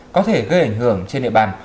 có thể gây ảnh hưởng trên địa bàn